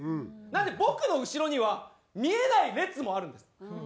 なので僕の後ろには見えない列もあるんです。